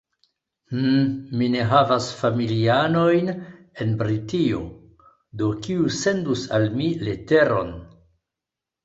Hm, mi ne havas familianojn en Britio, do kiu sendus al mi leteron?